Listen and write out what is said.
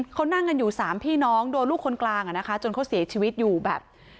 เขานั่งกันอยู่สามพี่น้องโดนลูกคนกลางอ่ะนะคะจนเขาเสียชีวิตอยู่แบบ